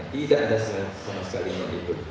tidak ada sama sekali hal itu